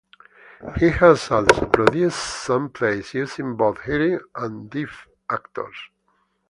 He has also produced some plays, using both hearing and deaf actors.